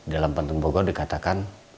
dalam pantun bogor dikatakan